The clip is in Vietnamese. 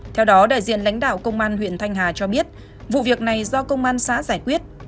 theo đó đại diện lãnh đạo công an huyện thanh hà cho biết vụ việc này do công an xã giải quyết